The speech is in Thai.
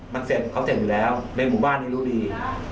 มันเขาเสบอยู่แล้วในหมู่บ้านได้รู้ดี